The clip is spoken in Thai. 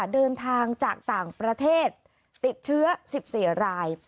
เดินทางจากต่างประเทศติดเชื้อ๑๔ราย